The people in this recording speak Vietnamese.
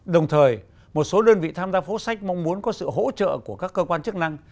đồng thời một số đơn vị tham gia phố sách mong muốn có sự hỗ trợ của các cơ quan chức năng